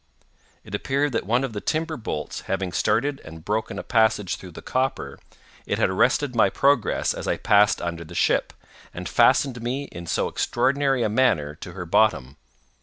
It appeared that one of the timber bolts having started and broken a passage through the copper, it had arrested my progress as I passed under the ship, and fastened me in so extraordinary a manner to her bottom.